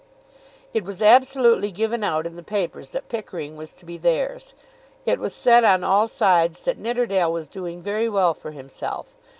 It was absolutely given out in the papers that Pickering was to be theirs. It was said on all sides that Nidderdale was doing very well for himself.